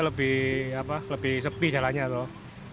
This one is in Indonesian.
iya lebih awal tapi lebih sepi jalannya tol